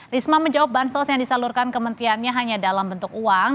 risma menjawab bansos yang disalurkan kementeriannya hanya dalam bentuk uang